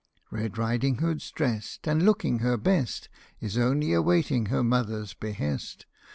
Red Riding Hood's drest, And, looking her best, Is only awaiting her mother's behest.